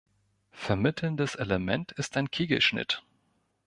Vermittelndes Element ist ein Kegelschnitt.